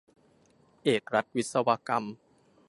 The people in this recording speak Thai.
เอกรัฐวิศวกรรม